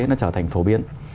nó trở thành phổ biến